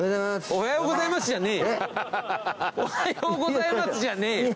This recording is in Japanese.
「おはようございます」じゃねえよ。